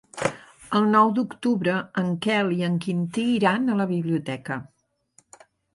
El nou d'octubre en Quel i en Quintí iran a la biblioteca.